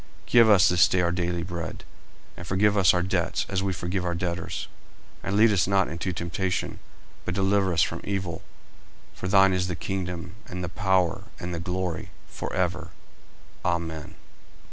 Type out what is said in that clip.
40:006:011 Give us this day our daily bread. 40:006:012 And forgive us our debts, as we forgive our debtors. 40:006:013 And lead us not into temptation, but deliver us from evil: For thine is the kingdom, and the power, and the glory, for ever. Amen.